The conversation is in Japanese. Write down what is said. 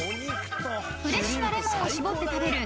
［フレッシュなレモンを搾って食べる］